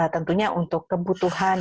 tentunya untuk kebutuhan